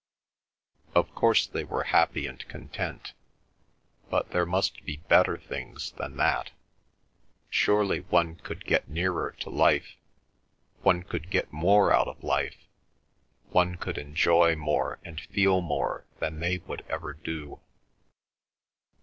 Of course they were happy and content, but there must be better things than that. Surely one could get nearer to life, one could get more out of life, one could enjoy more and feel more than they would ever do.